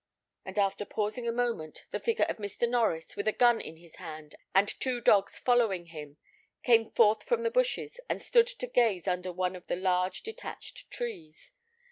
and after pausing a moment the figure of Mr. Norries, with a gun in his hand, and two dogs following him, came forth from the bushes, and stood to gaze under one of the large detached trees.